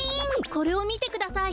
これをみてください。